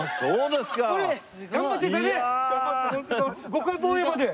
５回防衛まで。